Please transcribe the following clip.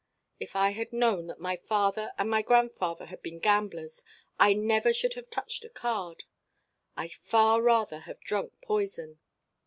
If I had known that my father and my grandfather had been gamblers I never should have touched a card. I'd far rather have drunk poison.